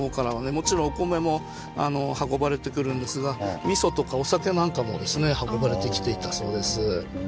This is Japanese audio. もちろんお米も運ばれてくるんですがみそとかお酒なんかもですね運ばれてきていたそうです。